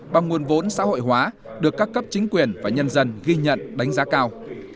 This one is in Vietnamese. bằng nguồn vốn xã hội hóa được các cấp chính quyền và nhân dân ghi nhận đánh giá cao